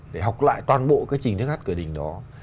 để học lại toàn bộ cái trình thức hát cửa đình đó